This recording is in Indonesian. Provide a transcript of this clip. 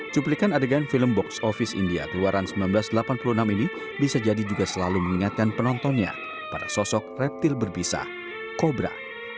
cuplikan adegan film box office india keluaran seribu sembilan ratus delapan puluh enam ini bisa jadi juga selalu mengingatkan penontonnya pada sosok reptil berpisah kobra